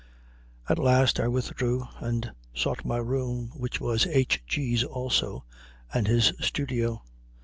At last I withdrew and sought my room, which was H. G.'s also, and his studio.